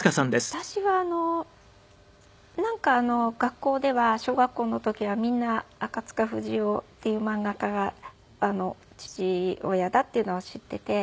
私はなんか学校では小学校の時はみんな赤塚不二夫っていう漫画家が父親だっていうのは知っていて。